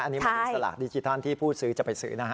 อันนี้เป็นสลากดิจิทัลที่ผู้ซื้อจะไปซื้อนะ